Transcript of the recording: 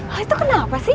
hal itu kenapa sih